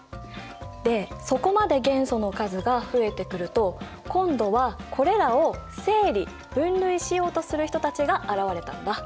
でそこまで元素の数が増えてくると今度はこれらを整理分類しようとする人たちが現れたんだ。